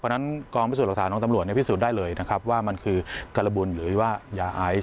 เพราะฉะนั้นกองพิสูจน์หลักฐานของตำรวจพิสูจน์ได้เลยนะครับว่ามันคือการบุญหรือว่ายาไอซ